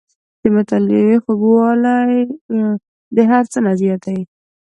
• د مطالعې خوږوالی د هر څه نه زیات دی.